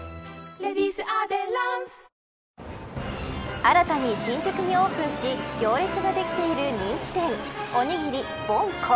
新たに新宿にオープンし行列ができている人気店おにぎりぼんこ。